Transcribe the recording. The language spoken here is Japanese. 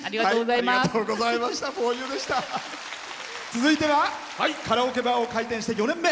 続いてはカラオケバーを開店して４年目。